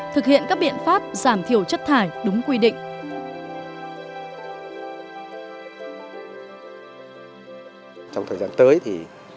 thực hiện các biện pháp giảm thiểu chất thải đúng quy định